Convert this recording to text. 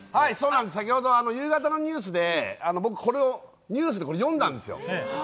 夕方のニュースで僕これをニュースで読んだんですよ。